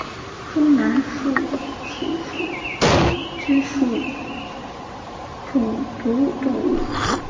中南树鼠属等之数种哺乳动物。